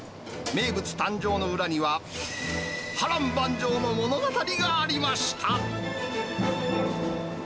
名物誕生の裏には、波乱万丈の物語がありました。